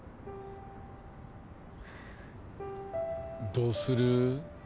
どうする。